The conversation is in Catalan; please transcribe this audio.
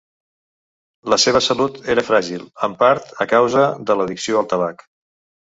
La seva salut era fràgil, en part a causa de l'addicció al tabac.